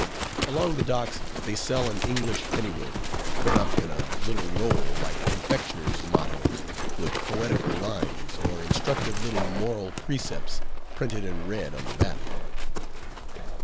Along the docks they sell an English pennyworth, put up in a little roll like confectioners' mottoes, with poetical lines, or instructive little moral precepts printed in red on the back.